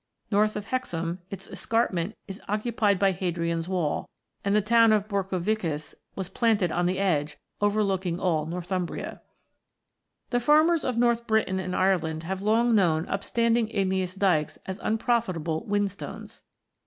North of Hexham, its escarpment is occu pied by Hadrian's wall, and the town of Borcovicus was planted on the edge, overlooking all Northumbria. v] IGNEOUS ROCKS . 137 The farmers of North Britain and Ireland have long known upstanding igneous dykes as unprofitable " whinstones."